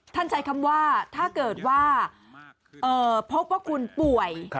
ใช้คำว่าถ้าเกิดว่าพบว่าคุณป่วย